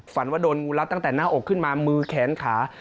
ว่าโดนงูรัดตั้งแต่หน้าอกขึ้นมามือแขนขา